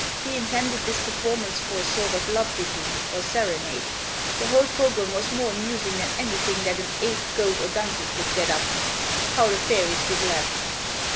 He intended this performance for a sort of love ditty, or serenade. The whole program was more amusing than anything that an ape, goat, or donkey could get up. How the fairies did laugh!